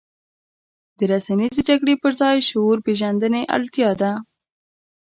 د رسنیزې جګړې پر ځای شعور پېژندنې اړتیا ده.